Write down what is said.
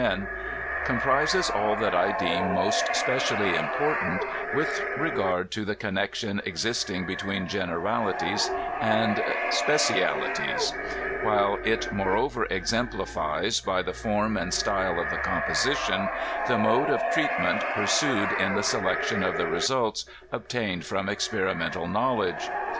men), comprises all that I deem most specially impcortaat with re gard to the connection existing between generalities and spe cialities, while it moreover exemplifies, by the form and style of the composition, the mod^ of treatment pursued in the se lection of the results obtained fiN)m experimeudtal knowledge.